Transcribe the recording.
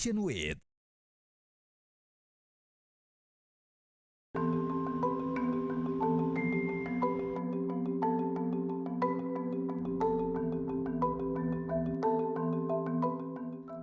pembangunan dan kemampuan jakarta